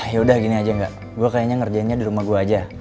ya udah gini aja gak gue kayaknya ngerjainnya di rumah gue aja